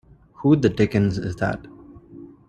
Who the dickens is that?